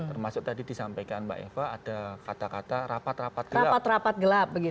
termasuk tadi disampaikan mbak eva ada kata kata rapat rapat rapat gelap